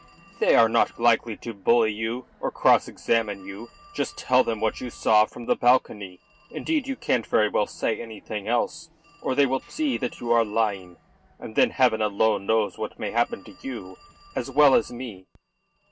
"They are not likely to bully you or cross examine you. Just tell them what you saw from the balcony. Indeed you can't very well say anything else, or they will see that you are lying, and then heaven alone knows what may happen to you, as well as to me."